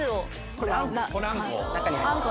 これあんこ？